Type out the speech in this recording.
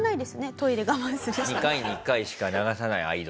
トイレ我慢する。